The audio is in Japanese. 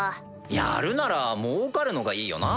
やるならもうかるのがいいよな。